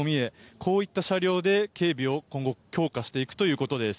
こういった車両で警備を今後強化していくということです。